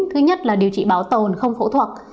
thứ nhất là điều trị bảo tồn không phẫu thuật